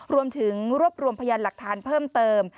รวมถึงรวบรวมพยานหลักฐานเพิ่มเติม